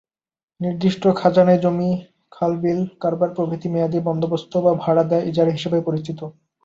নির্দিষ্ট খাজানায় জমি, খাল, বিল, কারবার প্রভৃতির মেয়াদী বন্দোবস্ত বা ভাড়া দেয়া ইজারা হিসেবে পরিচিত।